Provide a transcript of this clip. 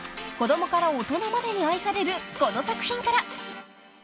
［子供から大人までに愛されるこの作品から］